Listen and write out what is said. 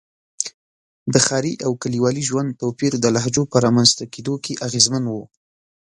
د ښاري او کلیوالي ژوند توپیر د لهجو په رامنځته کېدو کې اغېزمن و.